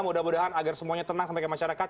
mudah mudahan agar semuanya tenang sampai ke masyarakat